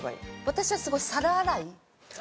私はすごい皿洗い。